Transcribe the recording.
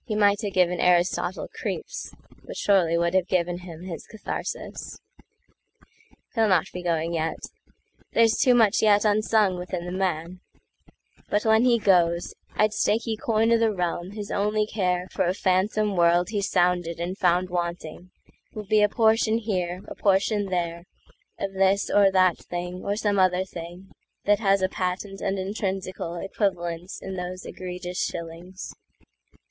He might have given Aristotle creeps, But surely would have given him his katharsis. He'll not be going yet. There's too much yetUnsung within the man. But when he goes, I'd stake ye coin o' the realm his only careFor a phantom world he sounded and found wantingWill be a portion here, a portion there, Of this or that thing or some other thingThat has a patent and intrinsicalEquivalence in those egregious shillings.